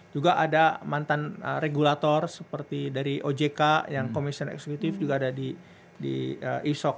juga ada mantan regulator seperti dari ojk yang komisioner eksekutif juga ada di isok